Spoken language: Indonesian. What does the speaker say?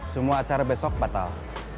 semua acara besok batal